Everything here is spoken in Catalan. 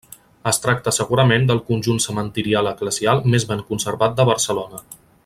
Es tracta segurament del conjunt cementirial eclesial més ben conservat de Barcelona.